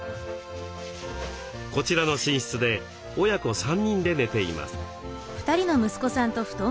こちらの寝室で親子３人で寝ています。